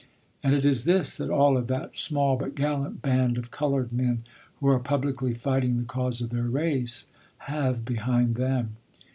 And it is this that all of that small but gallant band of colored men who are publicly fighting the cause of their race have behind them.